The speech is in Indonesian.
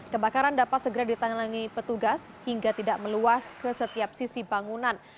kebakaran dapat segera ditangani petugas hingga tidak meluas ke setiap sisi bangunan